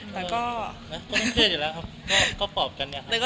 ก็ไม่เครียดอยู่แล้วครับก็ปอบกันเนี่ยค่ะ